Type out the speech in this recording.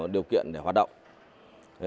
điều kiện để hoạt động